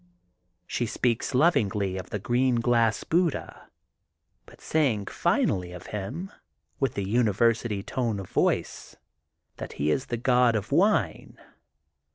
She speaks lovingly of the Green Glass Buddha, but say ing finally of him, with the University Tone of Voice, that he is the god of wine.